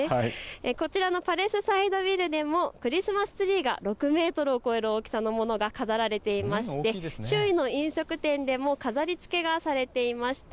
こちらのパレスサイドビルでもクリスマスツリーが６メートルを超える大きさのものが飾られていまして周囲の飲食店でも飾りつけがされていました。